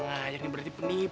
saya mau pergi dulu ya